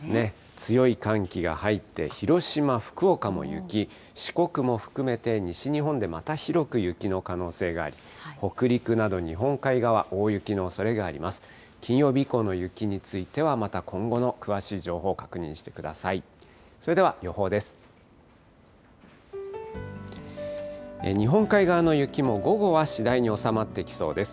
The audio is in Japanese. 強い寒気が入って、広島、福岡も雪、四国も含めて西日本でまた広く雪の可能性があり、北陸など日本海側、大雪のおそれがあります。